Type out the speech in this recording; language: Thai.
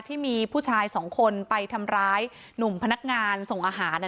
ที่มีผู้ชายสองคนไปทำร้ายหนุ่มพนักงานส่งอาหาร